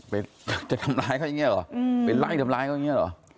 จะทำร้ายเขาอย่างนี้เหรอไปไล่ทำร้ายเขาอย่างนี้เหรอ